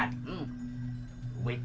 miring numpuk diulang bang ya